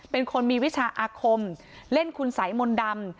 เป็นคนมีวิชาอาคมเล่นคุณสัยมนต์ดำ